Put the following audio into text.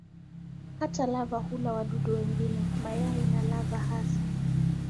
Hata lava hula wadudu wengine, mayai na lava hasa.